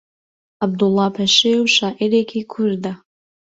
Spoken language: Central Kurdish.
عەبدوڵڵا پەشێو شاعیرێکی کوردە